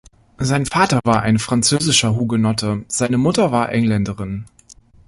Sein Vater war ein französischer Hugenotte, seine Mutter war Engländerin.